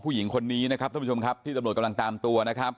ผู้หญิงคนนี้ท่านผู้ชมที่ตำรวจกำลังตามตัว